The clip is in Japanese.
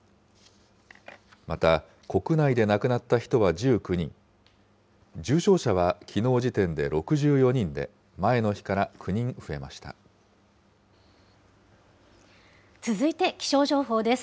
また、国内で亡くなった人は１９人、重症者はきのう時点で６４人続いて、気象情報です。